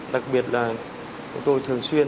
đặc biệt là tôi thường xuyên